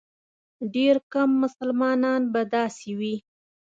ډېر کم مسلمانان به داسې وي.